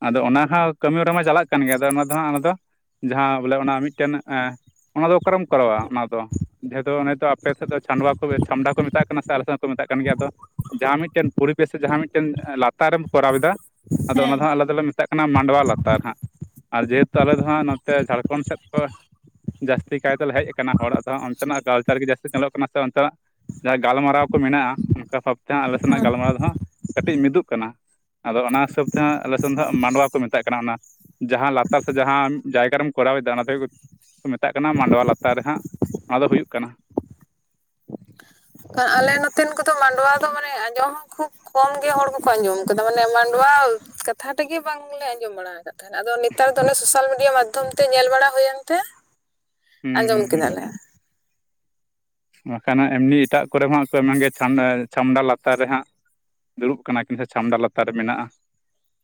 ᱟᱫᱚ ᱚᱱᱟ ᱦᱚᱸ ᱠᱟᱹᱢᱤ ᱦᱚᱨᱟ ᱢᱟ ᱪᱟᱞᱟᱜ ᱠᱟᱱ ᱜᱮᱭᱟ ᱟᱫᱚ ᱚᱱᱟ ᱫᱚ ᱦᱟᱸᱜ ᱚᱱᱟᱫᱚ ᱡᱟᱦᱟᱸ ᱵᱚᱞᱮ ᱚᱱᱟ ᱢᱤᱫᱴᱮᱱ ᱚᱱᱟ ᱫᱚ ᱚᱠᱟᱨᱮᱢ ᱠᱚᱨᱟᱣᱟ ᱚᱱᱟ ᱫᱚ ᱾ ᱡᱮᱦᱮᱛᱩ ᱚᱱᱮ ᱫᱚ ᱟᱯᱮ ᱥᱮᱫ ᱫᱚ ᱪᱷᱟᱱᱰᱟᱣᱟ ᱪᱷᱟᱢᱰᱟ ᱠᱚ ᱢᱮᱟᱜ ᱠᱟᱱᱟ ᱥᱮ ᱟᱞᱮ ᱥᱮᱫ ᱠᱚ ᱢᱮᱛᱟᱜ ᱠᱟᱱ ᱜᱮᱭᱟ ᱟᱫᱚ ᱡᱟᱦᱟᱸ ᱢᱤᱫᱴᱮᱱ ᱯᱚᱨᱤᱵᱮᱥ ᱥᱮ ᱡᱟᱦᱟᱸ ᱢᱤᱫᱴᱮᱱ ᱞᱟᱛᱟᱨᱮᱢ ᱠᱚᱨᱟᱣ ᱮᱫᱟ ᱟᱫᱚ ᱚᱱᱟ ᱫᱚ ᱟᱞᱮ ᱫᱚᱞᱮ ᱢᱮᱛᱟᱜ ᱠᱟᱱᱟ ᱢᱟᱰᱣᱟ ᱞᱟᱛᱟᱨ ᱦᱟᱸᱜ ᱟᱨ ᱡᱮᱦᱮᱛᱩ ᱟᱞᱮ ᱫᱚ ᱦᱟᱸᱜ ᱱᱚᱛᱮ ᱡᱷᱟᱲᱠᱷᱚᱸᱰ ᱥᱮᱫ ᱠᱚ ᱡᱟᱹᱥᱛᱤ ᱠᱟᱭᱛᱮ ᱦᱮᱡ ᱟᱠᱟᱱᱟ ᱦᱚᱲᱟᱜ ᱫᱚ ᱚᱱᱛᱮᱱᱟᱜ ᱠᱟᱞᱪᱟᱨ ᱜᱮ ᱡᱟᱹᱥᱛᱤ ᱧᱮᱞᱚᱜ ᱠᱟᱱᱟ ᱥᱮ ᱚᱱᱛᱮᱱᱟᱜ ᱾ ᱡᱟᱦᱟᱸ ᱜᱟᱞᱢᱟᱨᱟᱣ ᱠᱚ ᱢᱮᱱᱟᱜᱼᱟ ᱚᱱᱠᱟ ᱵᱷᱟᱵ ᱛᱮ ᱟᱞᱮ ᱥᱮᱱᱟᱜ ᱜᱟᱞᱢᱟᱨᱟᱣ ᱫᱚ ᱠᱟᱹᱴᱤᱡ ᱢᱤᱫᱚᱜ ᱠᱟᱱᱟ ᱾ ᱟᱫᱚ ᱚᱱᱟ ᱦᱤᱥᱟᱹᱵ ᱛᱮᱦᱟᱸ ᱟᱞᱮᱥᱮᱫ ᱫᱚ ᱦᱟᱸᱜ ᱢᱟᱰᱚᱣᱟ ᱠᱚ ᱢᱮᱛᱟᱜ ᱠᱟᱱᱟ ᱚᱱᱟ ᱾ ᱡᱟᱦᱟᱸ ᱞᱟᱛᱟᱨ ᱥᱮ ᱡᱟᱦᱟᱸ ᱡᱟᱭᱜᱟ ᱨᱮᱢ ᱠᱚᱨᱟᱣᱮᱫᱟ ᱚᱱᱟ ᱫᱚ ᱠᱚ ᱢᱮᱛᱟᱜ ᱠᱟᱱᱟ ᱢᱟᱰᱣᱟ ᱞᱟᱛᱟᱨ ᱨᱮᱦᱟᱸᱜ ᱚᱱᱟ ᱫᱚ ᱦᱩᱭᱩᱜ ᱠᱟᱱᱟ ᱾ ᱟᱞᱮ ᱱᱚᱛᱮ ᱱᱚᱛᱮᱱ ᱠᱚᱫᱚ ᱢᱟᱰᱚᱣᱟ ᱫᱚ ᱢᱟᱱᱮ ᱟᱸᱡᱚᱢ ᱠᱷᱩᱵ ᱠᱚᱢ ᱜᱮ ᱦᱚᱲ ᱵᱟᱠᱚ ᱟᱸᱡᱚᱢ ᱟᱠᱟᱫᱟ ᱢᱟᱱᱮ ᱢᱟᱰᱚᱣᱟ ᱠᱟᱛᱷᱟ ᱛᱮᱜᱮ ᱵᱟᱝᱞᱮ ᱟᱸᱡᱚᱢ ᱵᱟᱲᱟ᱾ ᱟᱫᱚ ᱱᱮᱛᱟᱨ ᱫᱚ ᱚᱸᱱᱮ ᱥᱳᱥᱟᱞ ᱢᱤᱰᱤᱭᱟ ᱢᱟᱫᱽᱫᱷᱚᱢ ᱛᱮ ᱧᱮᱞ ᱵᱟᱲᱟ ᱦᱩᱭᱮᱱᱛᱮ᱾ ᱦᱩᱸ ᱦᱩᱸ ᱦᱩᱸ ᱦᱩᱸ ᱵᱟᱠᱷᱟᱱ ᱮᱢᱱᱤ ᱮᱴᱟᱜ ᱠᱚᱨᱮ ᱢᱟ [unintelligible] ᱪᱷᱟᱢᱼᱪᱷᱟᱢᱰᱟ ᱞᱟᱛᱟᱨ ᱨᱮ ᱦᱟᱸᱜ᱾ ᱫᱩᱲᱩᱵ ᱠᱟᱱᱟ ᱠᱤᱱ ᱥᱮ ᱪᱷᱟᱢᱰᱟ ᱞᱟᱛᱟᱨ ᱨᱮ ᱢᱮᱱᱟᱜᱼᱟ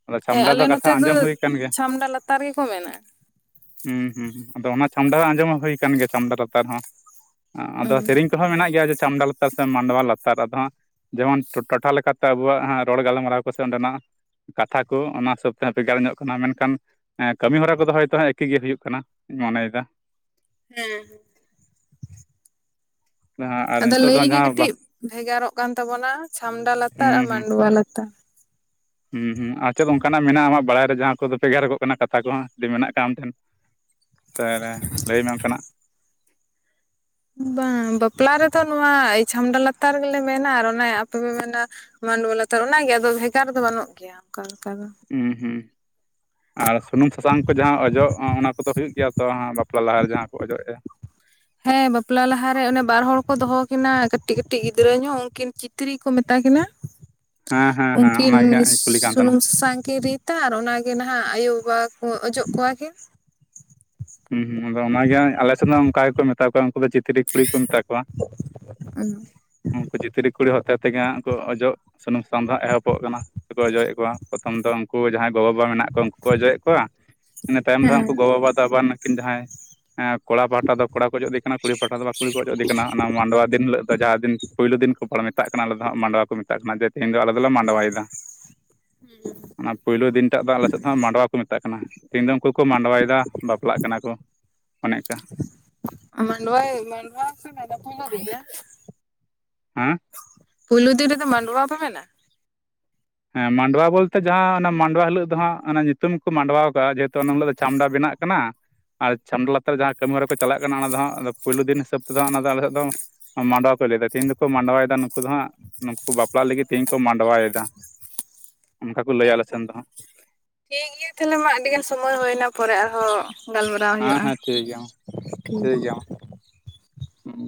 ᱟᱫᱚ ᱦᱮᱸ ᱪᱷᱟᱢᱰᱟ ᱟᱞᱮ ᱫᱚ ᱠᱟᱛᱷᱟ ᱱᱚᱛᱮ ᱟᱸᱡᱚᱢ ᱦᱩᱭ ᱟᱠᱟᱱ ᱜᱮ᱾ ᱪᱷᱟᱢᱰᱟ ᱞᱟᱛᱟᱨ ᱜᱮᱠᱚ ᱢᱮᱱᱟ ᱦᱩᱸ ᱦᱩᱸ ᱟᱫᱚ ᱚᱱᱟ ᱪᱷᱟᱢᱰᱟ ᱦᱚᱸ ᱟᱸᱡᱚᱢ ᱦᱩᱭ ᱠᱟᱱ ᱜᱮ, ᱪᱷᱟᱢᱰᱟ ᱞᱟᱛᱟᱨ ᱨᱮ ᱦᱚᱸ, ᱟᱫᱚᱼᱼ ᱦᱩᱸ ᱦᱚᱸ ᱢᱮᱱᱟᱜ ᱜᱮᱭᱟ ᱪᱷᱟᱢᱰᱟ ᱞᱟᱛᱟᱨ ᱥᱮ ᱢᱟᱰᱣᱟ ᱞᱟᱛᱟᱨ ᱟᱫᱚ ᱦᱟᱸᱜᱼᱼ ᱡᱮᱢᱚᱱ ᱴᱚᱴᱷᱟ ᱞᱮᱠᱟᱛᱮ ᱟᱵᱚᱣᱟᱜ, ᱨᱚᱲ ᱜᱟᱞᱢᱟᱨᱟᱣ ᱠᱚᱥᱮ ᱚᱸᱰᱮᱱᱟᱜ ᱠᱟᱛᱷᱟ ᱠᱚ, ᱚᱱᱟ ᱦᱤᱥᱟᱹᱵ ᱛᱮ ᱦᱟᱸᱜ, ᱵᱷᱮᱜᱟᱨ ᱧᱚᱜ ᱠᱟᱱᱟ, ᱢᱮᱱᱠᱷᱟᱱᱼᱼ ᱦᱮᱸ, ᱠᱟᱹᱢᱤ ᱦᱚᱨᱟ ᱠᱚᱫᱚ ᱦᱚᱭᱛᱳ ᱦᱟᱸᱜ ᱮᱠᱤ ᱜᱮ ᱦᱩᱭᱩᱜ ᱠᱟᱱᱟ ᱢᱚᱱᱮᱭᱮᱫᱟ ᱦᱮᱸ ᱦᱮᱸ ᱟᱨ ᱟᱫᱚ ᱱᱤᱛᱚᱜ ᱫᱚ ᱞᱟᱹᱭ ᱜᱮ ᱡᱟᱦᱟᱸ ᱵᱟ ᱠᱟᱴᱤᱜ ᱵᱷᱮᱜᱟᱨᱚᱜ ᱠᱟᱱ ᱛᱟᱵᱚᱱᱟ, ᱪᱷᱟᱢᱰᱟ ᱞᱟᱛᱟᱨ ᱟᱨ ᱦᱩᱸ ᱦᱩᱸ ᱢᱟᱰᱚᱣᱟ ᱞᱟᱛᱟᱨ᱾ ᱦᱩᱸ ᱦᱩᱸ, ᱟᱨ ᱪᱮᱜ ᱚᱱᱠᱟᱱᱟᱜ ᱢᱮᱱᱟᱜᱼᱟ ᱟᱢᱟᱜ ᱵᱟᱲᱟᱭ ᱨᱮ ᱡᱟᱦᱟᱸ ᱠᱚᱫᱚ ᱵᱷᱮᱜᱟᱨᱚᱜ ᱠᱟᱱᱟ ᱠᱟᱛᱷᱟ ᱠᱚᱦᱚᱸ, ᱡᱮ ᱢᱮᱱᱟᱜ ᱠᱟᱜᱼᱟ ᱟᱢ ᱴᱷᱮᱱ᱾ [unintelligible] ᱞᱟᱹᱭᱢᱮ ᱚᱱᱠᱟᱱᱟᱜ᱾ ᱵᱟᱝ, ᱵᱟᱯᱞᱟ ᱨᱮᱫᱚ ᱱᱚᱣᱟ ᱪᱷᱟᱢᱰᱟ ᱞᱟᱛᱟᱨ ᱜᱮᱞᱮ ᱢᱮᱱᱟ ᱟᱨ ᱚᱱᱮ ᱟᱯᱮ ᱯᱮ ᱢᱮᱱᱼᱟᱼᱼ ᱢᱟᱱᱰᱚᱣᱟ ᱞᱟᱛᱟᱨ ᱚᱱᱟᱜᱮ ᱟᱫᱚ ᱵᱷᱮᱜᱟᱨ ᱫᱚ ᱵᱟᱹᱱᱩᱜ ᱜᱮᱭᱟ, ᱚᱱᱠᱟ ᱞᱮᱠᱟ ᱫᱚ᱾ ᱩᱸ ᱦᱩᱸ ᱟᱨ ᱥᱩᱱᱩᱢ ᱥᱟᱥᱟᱝ ᱠᱚ ᱡᱟᱦᱟᱸ ᱚᱡᱚᱜ, ᱚᱱᱟ ᱠᱚᱫᱚ ᱦᱩᱭᱩᱜ ᱜᱮᱭᱟ ᱛᱚ ᱦᱟᱸᱜ ᱵᱟᱯᱞᱟ ᱞᱟᱦᱟᱨᱮ ᱡᱟᱦᱟᱸ ᱠᱚ ᱚᱡᱚᱜᱼᱮ? ᱦᱮᱸ ᱵᱟᱯᱞᱟ ᱞᱟᱦᱟᱨᱮ ᱚᱱᱮ ᱵᱟᱨ ᱦᱚᱲ ᱠᱚ ᱫᱚᱦᱚ ᱠᱤᱱᱟ ᱠᱟᱹᱴᱤᱡ ᱠᱟᱹᱴᱤᱡ ᱜᱤᱫᱽᱨᱟᱹ ᱧᱚᱜ ᱩᱱᱠᱤᱱ ᱠᱤᱱ᱾ ᱛᱨᱤ ᱠᱚ ᱢᱮᱛᱟ ᱠᱤᱱᱟ, ᱦᱮᱸ ᱦᱮᱸ ᱦᱮᱸ ᱩᱱᱠᱤᱱ, ᱚᱱᱟᱜᱮ ᱦᱟᱸᱜ ᱤᱧ ᱠᱩᱞᱤ ᱠᱟᱱ ᱛᱟᱦᱮᱱᱟ ᱥᱩᱻᱥᱩᱱᱩᱢ ᱥᱟᱥᱟᱝ ᱠᱤᱱ ᱨᱤᱫᱼᱼ ᱛᱟᱨ ᱚᱱᱟᱜᱮ ᱱᱟᱦᱟᱜ ᱟᱭᱳᱵᱟᱵᱟ ᱠᱚ ᱚᱡᱚᱜ ᱠᱚᱣᱟ ᱠᱤᱱ᱾ ᱦᱩᱸ ᱦᱩᱸ ᱟᱫᱚ ᱚᱱᱟᱜᱮ ᱦᱟᱸᱜ ᱟᱞᱮᱥᱮᱫ ᱦᱚᱸ ᱚᱱᱠᱟ ᱜᱮᱠᱚ ᱢᱮᱛᱟ ᱠᱚᱣᱟ ᱩᱱᱠᱩ ᱫᱚ ᱪᱤᱛᱨᱤᱼᱼ ᱠᱩᱲᱤ ᱠᱚ ᱢᱮᱛᱟ ᱠᱚᱣᱟ, ᱩᱱᱠᱩ ᱪᱟᱛᱨᱤ ᱠᱩᱲᱤ ᱦᱚᱛᱮ ᱛᱮᱜᱮ ᱦᱟᱸᱜ ᱠᱚ ᱚᱡᱚᱜᱼᱼ ᱥᱩᱱᱩᱢ ᱥᱟᱥᱟᱝ ᱫᱚ ᱦᱟᱸᱜ ᱮᱦᱚᱵᱚᱜ ᱠᱟᱱᱟ ᱠᱚ ᱚᱡᱚᱭᱮᱫ ᱠᱚᱣᱟ ᱯᱨᱚᱛᱷᱚᱢ ᱫᱚ ᱩᱱᱠᱩ ᱡᱟᱦᱟᱸᱭ, ᱜᱚᱜᱚ ᱵᱟᱵᱟ ᱢᱮᱱᱟᱜ ᱠᱚᱣᱟ ᱩᱱᱠᱩ ᱠᱚ ᱚᱡᱚᱭᱮᱫ ᱠᱚᱣᱟᱼᱼ ᱤᱱᱟᱹ ᱛᱟᱭᱚᱢ ᱫᱚ ᱦᱟᱸᱜ ᱦᱮᱸ ᱩᱱᱠᱩ ᱜᱚᱼᱵᱟᱵᱟ ᱫᱚ ᱟᱵᱟᱨ ᱟᱹᱠᱤᱱ ᱡᱟᱦᱟᱸᱭᱼᱼ ᱠᱚᱲᱟ ᱯᱟᱦᱴᱟ ᱫᱚ ᱠᱚᱲᱟ ᱠᱚ ᱚᱡᱚᱜ ᱫᱤᱠᱟᱱᱟ, ᱠᱩᱲᱤ ᱯᱟᱦᱴᱟ ᱫᱚ ᱠᱩᱲᱤ ᱠᱚ ᱚᱡᱚᱜ ᱫᱮ ᱠᱟᱱᱟ ᱚᱱᱟ ᱢᱟᱰᱚᱣᱟ ᱫᱤᱱ ᱦᱤᱞᱳᱜ ᱫᱚ ᱡᱟᱦᱟᱸ ᱫᱤᱱ, ᱯᱳᱭᱞᱳ ᱫᱤᱱᱼᱼ ᱢᱮᱛᱟᱜ ᱠᱟᱱᱟ, ᱟᱞᱮ ᱫᱚ ᱦᱟᱸᱜ ᱢᱟᱰᱚᱣᱟ ᱠᱚ ᱢᱮᱛᱟᱜ ᱠᱟᱱᱟ, ᱡᱮ ᱛᱮᱦᱮᱧ ᱫᱚ ᱟᱞᱮ ᱫᱚᱞᱮ ᱢᱟᱰᱚᱭᱟᱮᱫᱟ᱾ ᱚᱱᱟ ᱯᱳᱭᱞᱳ ᱫᱤᱱᱴᱟᱜ ᱫᱚ, ᱟᱞᱮ ᱥᱮᱫ ᱦᱚᱸ ᱢᱟᱰᱚᱣᱟ ᱠᱚ ᱢᱮᱛᱟᱜ ᱠᱟᱱᱟ ᱠᱟᱱᱟ, ᱛᱮᱦᱮᱧ ᱫᱚ ᱩᱱᱠᱩ ᱠᱚ ᱢᱟᱸᱰᱚᱣᱟᱭᱫᱟ ᱵᱟᱯᱞᱟᱜ ᱠᱟᱱᱟ ᱠᱚ, ᱚᱱᱮ ᱚᱱᱠᱟ᱾ ᱢᱟᱸᱰᱣᱟᱭ, ᱢᱟᱸᱰᱣᱟ [unintelligible] ᱜᱮᱭᱟ? ᱦᱮᱸ ᱯᱷᱳᱭᱞᱳ ᱫᱤᱱ ᱨᱮᱜᱮ ᱢᱟᱸᱰᱚᱣᱟ ᱯᱮ ᱢᱮᱱᱟ᱾ ᱦᱮᱸ ᱢᱟᱰᱣᱟ ᱵᱚᱞᱛᱮ ᱡᱟᱦᱟᱸ, ᱚᱱᱟ ᱢᱟᱰᱣᱟ ᱦᱤᱞᱳᱜ ᱫᱚ ᱦᱟᱸᱜ ᱚᱱᱟ ᱧᱩᱛᱩᱢ ᱠᱚ ᱢᱟᱰᱚᱣᱟ ᱠᱟᱜᱼᱟ, ᱡᱮ [unintelligible] ᱪᱷᱟᱢᱰᱟ ᱵᱮᱱᱟᱜᱼᱼ ᱠᱟᱱᱟ, ᱟᱨ ᱪᱷᱟᱢᱰᱟ ᱞᱟᱛᱟᱨ ᱡᱟᱦᱟᱸ ᱠᱟᱹᱢᱤᱦᱚᱨᱟ ᱠᱚ ᱪᱟᱞᱟᱜ ᱠᱟᱱᱟ, ᱚᱱᱟ ᱫᱚ ᱦᱟᱸᱜ ᱯᱳᱭᱞᱳ ᱫᱤᱱ ᱦᱤᱸᱥᱟᱹᱵ ᱛᱮᱫᱚ ᱚᱱᱟ ᱫᱚ ᱟᱞᱮ ᱥᱮᱫ ᱫᱚᱼᱼ ᱢᱟᱸᱰᱣᱟ ᱯᱮ ᱞᱟᱹᱭ ᱫᱟ, ᱛᱤᱦᱤᱱ ᱫᱚ ᱯᱮ ᱢᱟᱸᱰᱣᱟᱭ ᱫᱟ ᱱᱩᱸᱠᱩ ᱫᱚ ᱦᱟᱸᱜ ᱱᱩᱠᱩ ᱵᱟᱯᱞᱟᱜ ᱞᱟᱹᱜᱤᱫ ᱛᱤᱦᱤᱧ ᱠᱚ ᱢᱟᱸᱰᱣᱟᱭ ᱫᱟ᱾ ᱚᱱᱠᱟ ᱠᱚ ᱞᱟᱹᱭᱟ ᱦᱮᱸ ᱟᱞᱮ ᱛᱚ ᱥᱮᱱ ᱫᱚ ᱦᱟᱸᱜ᱾ ᱴᱷᱤᱠ ᱜᱤᱭᱟ ᱛᱟᱦᱚᱞᱮ ᱢᱟ ᱟᱹᱰᱤ ᱜᱟᱱ ᱥᱚᱢᱚᱭ ᱦᱩᱭᱱᱟ, ᱯᱚᱨᱮ ᱟᱨᱦᱚᱸᱼᱼ ᱜᱟᱞᱢᱟᱨᱟᱣ ᱦᱮᱸ ᱦᱩᱭᱩᱜᱼᱟ ᱸᱻᱻ, ᱦᱮᱸ ᱴᱷᱤᱠ ᱜᱮᱭᱟ ᱢᱟ ᱴᱷᱤᱼᱼ ᱴᱷᱤᱠ ᱜᱮᱭᱟ ᱢᱟ ᱦᱩᱸ